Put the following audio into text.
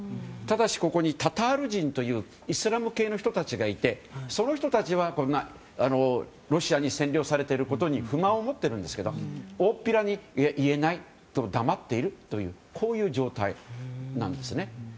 ただし、ここにタタール人というイスラム系の人たちがいてその人たちはロシアに占領されていることに不満を持っているんですが大っぴらに言えないので黙っているというこういう状態なんです。